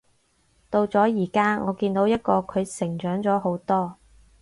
到咗而家，我見到一個佢成長咗好多